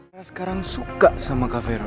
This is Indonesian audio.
kita sekarang suka sama kavero